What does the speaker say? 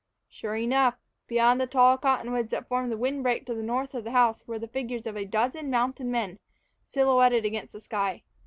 Sure enough, beyond the tall cottonwoods that formed the wind break to the north of the house were the figures of a dozen mounted men, silhouetted against the sky.